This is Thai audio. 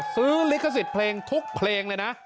ลิขสิทธิ์เพลงทุกเพลงเลยนะ